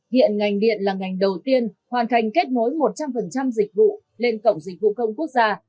hiện ngành điện là ngành đầu tiên hoàn thành kết nối một trăm linh dịch vụ lên cổng dịch vụ công quốc gia